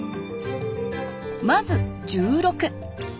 まず１６。